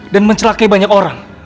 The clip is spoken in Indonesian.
dan mencelakai banyak orang